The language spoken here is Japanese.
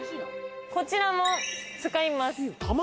こちらも使います。